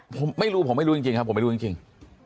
ผมไม่รู้ผมไม่รู้จริงครับผมไม่รู้จริง